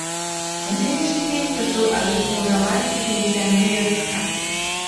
На сённяшні дзень касцёл адрэстаўраваны і функцыянуе як храм.